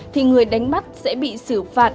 thì người đánh bắt sẽ bị xử phạt